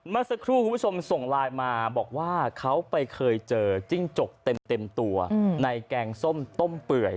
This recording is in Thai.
เมื่อสักครู่คุณผู้ชมส่งไลน์มาบอกว่าเขาไปเคยเจอจิ้งจกเต็มตัวในแกงส้มต้มเปื่อย